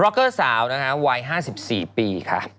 ล็อกเกอร์สาววัย๕๔ปีครับ